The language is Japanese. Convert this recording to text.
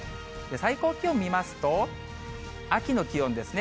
最高気温見ますと、秋の気温ですね。